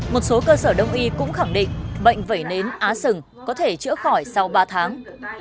một số cơ sở đông y cũng khẳng định bệnh vẩy nến á sửng có thể chữa khỏi sau ba tháng